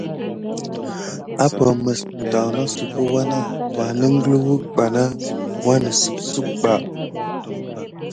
Apprem mis neda nosuko wana va nəngluwek ɓa na wannəsepsuk ɓa.